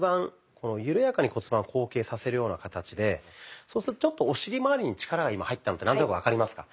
この緩やかに骨盤を後傾させるような形でそうするとちょっとお尻まわりに力が今入ったのって何となく分かりますか？